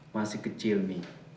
masih kecil mi